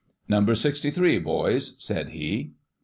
" Number sixty three, boys," said he.